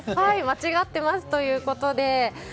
間違ってますということで。